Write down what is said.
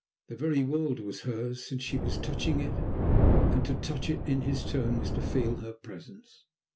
The very world was hers, since she was touching it, and to touch it in his turn was to feel her presence.